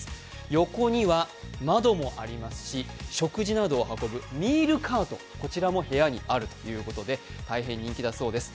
横には窓もありますし、食事などを運ぶミールカート、こちらも部屋にあるということで大変人気だそうです。